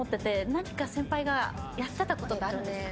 何か先輩がやってたことはあるんですか？